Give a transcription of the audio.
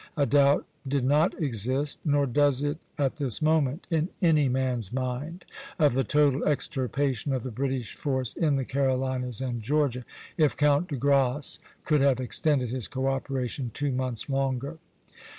A doubt did not exist, nor does it at this moment, in any man's mind, of the total extirpation of the British force in the Carolinas and Georgia, if Count de Grasse could have extended his co operation two months longer."